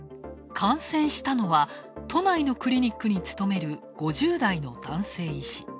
感染したのは都内のクリニックに勤める５０代の男性医師。